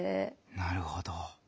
なるほど。